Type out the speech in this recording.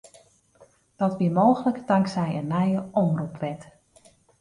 Dat wie mooglik tanksij in nije omropwet.